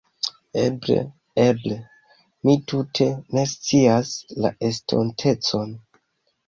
Eble, eble. Mi tute ne scias la estontecon